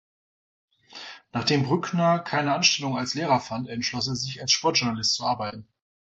Nachdem Brückner keine Anstellung als Lehrer fand, entschloss er sich, als Sportjournalist zu arbeiten.